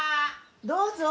どうぞ。